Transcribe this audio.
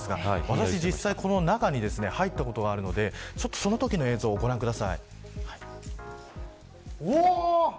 私、実際中に入ったことがあるのでそのときの映像をご覧ください。